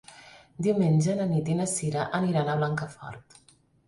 Diumenge na Nit i na Sira aniran a Blancafort.